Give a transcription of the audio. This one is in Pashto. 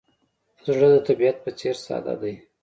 زړه د طبیعت په څېر ساده دی.